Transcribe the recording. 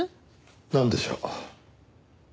なんでしょう？